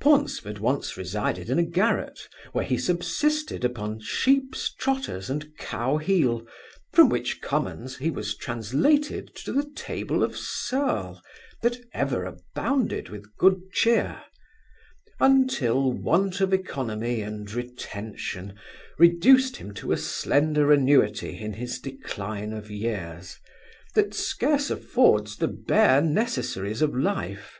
Paunceford once resided in a garret; where he subsisted upon sheep's trotters and cow heel, from which commons he was translated to the table of Serle, that ever abounded with good chear; until want of economy and retention reduced him to a slender annuity in his decline of years, that scarce affords the bare necessaries of life.